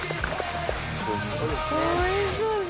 おいしそうですね。